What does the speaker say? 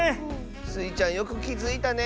スイちゃんよくきづいたね！